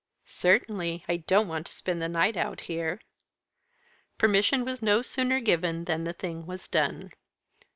"Certainly. I don't want to spend the night out here." Permission was no sooner given than the thing was done.